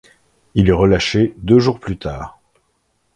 Il est relâché deux jours plus tard.